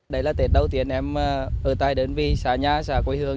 đấy là tết đầu tiên em ở tại đơn vị xã nhà xã quê hương